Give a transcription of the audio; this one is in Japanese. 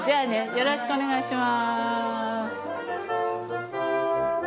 よろしくお願いします。